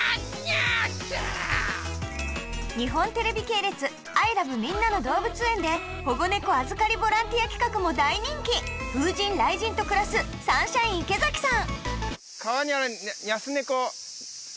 日本テレビ系列『ＩＬＯＶＥみんなのどうぶつ園』で保護猫預かりボランティア企画も大人気風神雷神と暮らすサンシャイン池崎さん